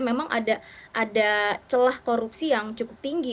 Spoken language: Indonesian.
memang ada celah korupsi yang cukup tinggi